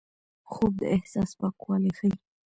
خوب د احساس پاکوالی ښيي